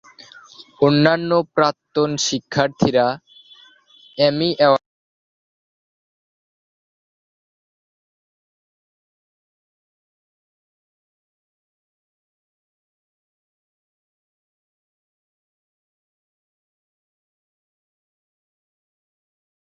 অন্যান্য প্রাক্তন শিক্ষার্থীরা এমি অ্যাওয়ার্ড, গ্র্যামি অ্যাওয়ার্ড এবং পুলিৎজার পুরস্কারের মতো সম্মান অর্জন করেছেন।